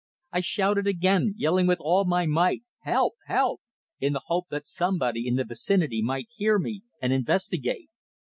I shouted again, yelling with all my might: "Help! Help!" in the hope that somebody in the vicinity might hear me and investigate.